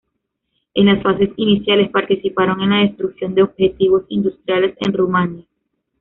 En las fases iniciales, participaron en la destrucción de objetivos industriales en Rumanía.